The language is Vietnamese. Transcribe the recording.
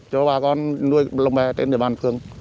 cho bà con nuôi lông bè trên địa bàn phương